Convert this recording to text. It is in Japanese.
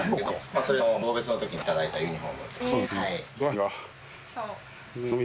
それの送別のときにいただいたユニホームですねはい。